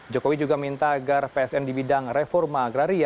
jokowi juga minta agar psn di bidang reforma agraria